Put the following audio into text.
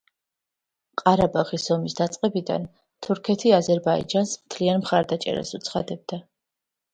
ყარაბაღის ომის დაწყებიდან თურქეთი აზერბაიჯანს მთლიან მხარდაჭერას უცხადებდა.